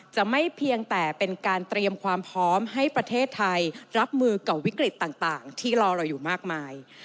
จะไม่เพียงแต่เป็นการเตรียมความพร้อมให้ประเทศไทยรับมือกับวิกฤตต่างที่รอเราอยู่มากมาย